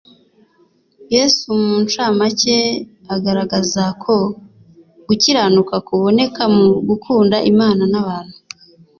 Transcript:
Yesu mu ncamake agaragaza ko gukiranuka kuboneka mu gukunda Imana n'abantu,